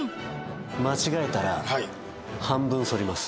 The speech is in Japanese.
間違えたら半分剃ります。